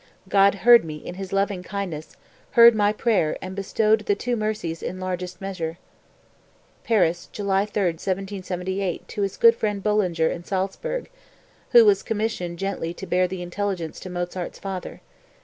God heard me in His loving kindness, heard my prayer and bestowed the two mercies in largest measure." (Paris, July 3, 1778, to his good friend Bullinger, in Salzburg, who was commissioned gently to bear the intelligence to Mozart's father.